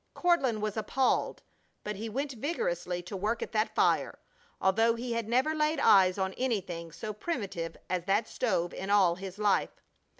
Courtland was appalled, but he went vigorously to work at that fire, although he had never laid eyes on anything so primitive as that stove in all his life.